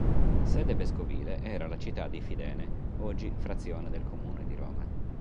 Sede vescovile era la città di Fidene, oggi frazione del comune di Roma.